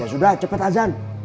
ya sudah cepet azan